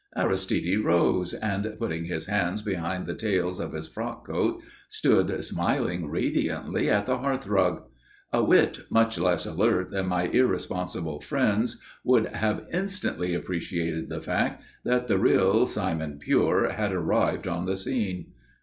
Aristide rose, and, putting his hands behind the tails of his frock coat, stood smiling radiantly on the hearthrug. A wit much less alert than my irresponsible friend's would have instantly appreciated the fact that the real Simon Pure had arrived on the scene.